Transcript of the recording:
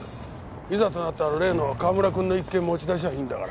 いざとなったら例の川村君の一件持ち出しゃいいんだから。